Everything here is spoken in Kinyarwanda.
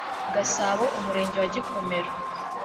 gasabo umurenge wa gikomero